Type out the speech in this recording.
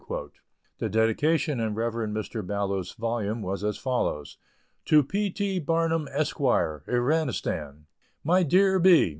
The dedication in Rev. Mr. Ballou s volume was as follows: To P. T. BARNUM, ESQ., IRANISTAN. _My Dear B.